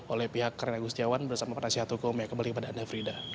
oleh pihak karen agustiawan bersama penasihat hukum ya kembali kepada anda frida